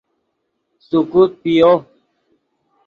سیکوت پیو